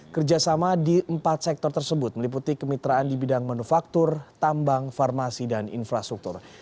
kerjasama di empat sektor tersebut meliputi kemitraan di bidang manufaktur tambang farmasi dan infrastruktur